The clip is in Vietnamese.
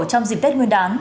trong dịp tết nguyên đán